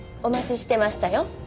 お待ちしてましたよ